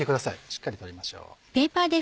しっかり取りましょう。